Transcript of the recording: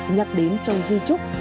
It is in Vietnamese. nhắc đến trong di trúc